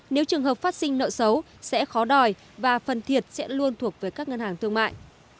nếu trường hợp phát sinh nợ xấu sẽ khó đòi và phần thiệt sẽ luôn thuộc về các ngân hàng thương mại